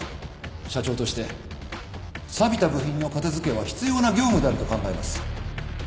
社長としてさびた部品の片付けは必要な業務であると考えます。